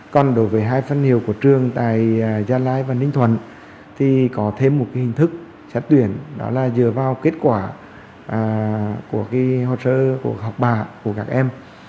còn đối với hai phân hiệu của trường tại gia lai và ninh thuận thì có thêm một hình thức xét tuyển đó là dựa vào kết quả của học bà của các em